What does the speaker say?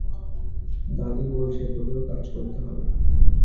দাদি বলছে তোকেও কাজ করতে হবে।